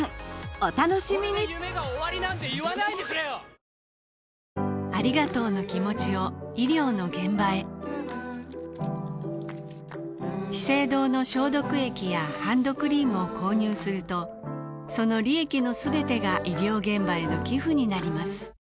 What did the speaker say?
お楽しみに資生堂の消毒液やハンドクリームを購入するとその利益のすべてが医療現場への寄付になります